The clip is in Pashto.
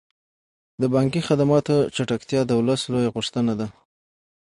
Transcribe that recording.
د بانکي خدماتو چټکتیا د ولس لویه غوښتنه ده.